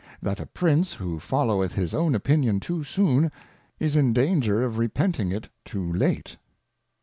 That a Prince who followeth his own Opinion top soon, is in danger of repenting it too late.